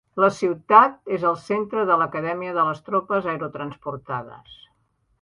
La ciutat és el centre de l'acadèmia de les Tropes Aerotransportades.